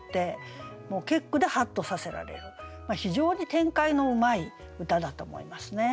もう結句でハッとさせられる非常に展開のうまい歌だと思いますね。